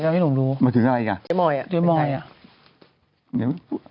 อ้าวไป